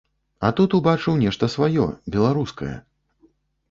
А тут убачыў нешта сваё, беларускае.